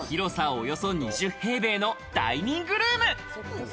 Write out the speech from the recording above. およそ２０平米のダイニングルーム。